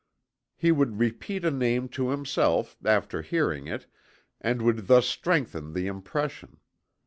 He would repeat a name to himself, after hearing it, and would thus strengthen the impression.